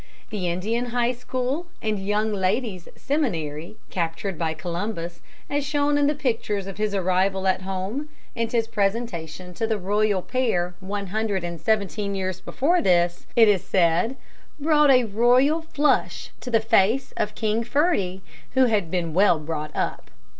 The Indian High School and Young Ladies' Seminary captured by Columbus, as shown in the pictures of his arrival at home and his presentation to the royal pair one hundred and seventeen years before this, it is said, brought a royal flush to the face of King Ferdie, who had been well brought up.